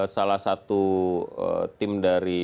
salah satu tim dari